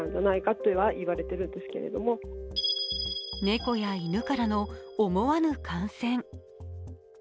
猫や犬からの思わぬ感染。